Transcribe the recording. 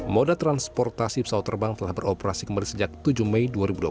moda transportasi pesawat terbang telah beroperasi kembali sejak tujuh mei dua ribu dua puluh